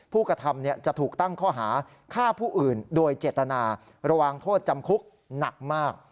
ผู้กระทำจะถูกตั้งข้อหาฆ่าผู้อื่นโดยเจตนาระหว่างโทษจำคุกหนักมาก